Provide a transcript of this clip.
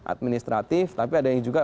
administratif tapi ada yang juga